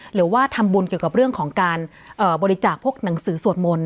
หรือว่าทำบุญเกี่ยวกับเรื่องของการบริจาคพวกหนังสือสวดมนต์